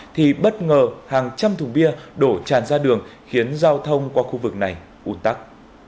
thì bất ngờ hàng trăm thùng bia đổ tràn ra đường khiến giao thông qua khu vực này ủn tắc